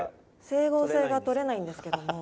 整合性が取れないんですけども。